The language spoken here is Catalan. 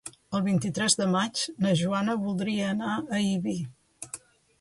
El vint-i-tres de maig na Joana voldria anar a Ibi.